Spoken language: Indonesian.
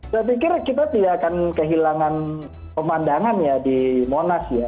saya pikir kita tidak akan kehilangan pemandangan ya di monas ya